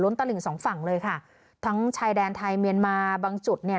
ตลิ่งสองฝั่งเลยค่ะทั้งชายแดนไทยเมียนมาบางจุดเนี่ย